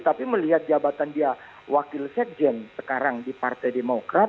tapi melihat jabatan dia wakil sekjen sekarang di partai demokrat